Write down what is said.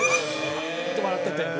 って笑ってて。